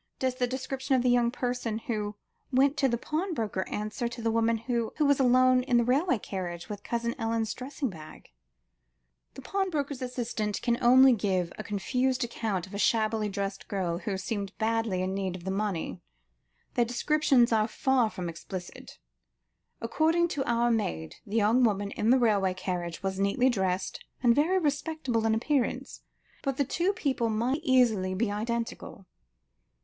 Does the description of the young person who went to the pawnbroker, answer to the woman who was alone in the railway carriage with Cousin Ellen's dressing bag?" "The pawnbroker's assistants can only give a confused account of a shabbily dressed girl, who seemed badly in need of money. Their descriptions are far from explicit. According to our maid, the young woman in the railway carriage, was neatly dressed and very respectable in appearance, but the two people might very easily be identical."